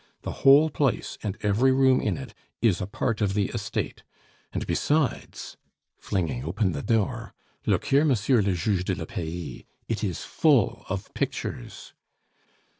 The whole place, and every room in it, is a part of the estate. And besides" flinging open the door "look here, monsieur le juge de la paix, it is full of pictures."